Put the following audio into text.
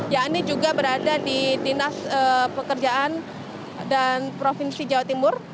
yang ini juga berada di dinas pekerjaan dan provinsi jawa timur